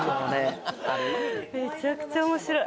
めちゃくちゃ面白い。